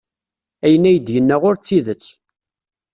Ayen ay d-yenna ur d tidet.